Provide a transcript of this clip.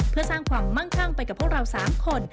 เพื่อสร้างความมั่งคั่งไปกับพวกเรา๓คน